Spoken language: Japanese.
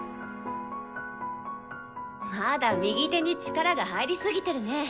まだ右手に力が入りすぎてるね。